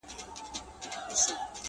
وزیر وویل زما سر ته دي امان وي٫